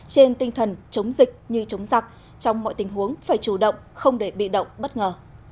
trên tinh thần chống dịch như chống giặc trong mọi tình huống phải chủ động không để bị động bất ngờ